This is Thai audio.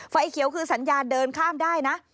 ไฟเขียวคือสัญญาเดินข้ามได้นะ